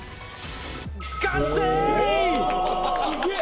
すげえ！